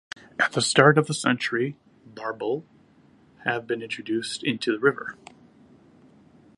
At the start of the century, Barbel have been introduced into the river.